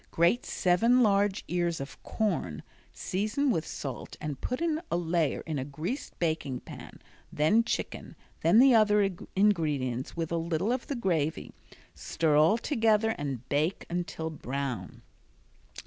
Grate seven large ears of corn, season with salt and put a layer in a greased baking pan, then chicken, then the other ingredients, with a little of the gravy. Stir all together and bake until brown.